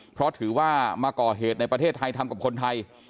เพราะถือว่ามาก่อเหตุในประเทศไทยทำกับคนไทย